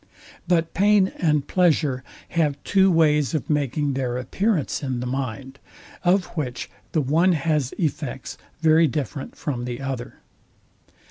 But pain and pleasure have two ways of making their appearance in the mind; of which the one has effects very different from the other.